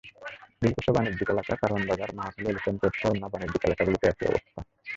দিলকুশা বাণিজ্যিক এলাকা, কারওয়ান বাজার, মহাখালী, এলিফ্যান্ট রোডসহ অন্য বাণিজ্যিক এলাকাগুলোতেও একই অবস্থা।